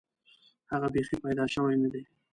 هغه بیخي پیدا شوی نه دی.